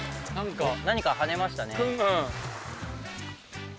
何か跳ねましたね。